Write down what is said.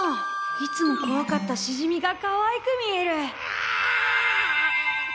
いつもこわかったしじみがかわいく見える。